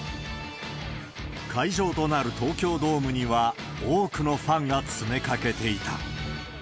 会場となる東京ドームには、多くのファンが詰めかけていた。